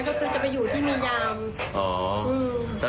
ก็คือว่านานดูทีอย่างนี้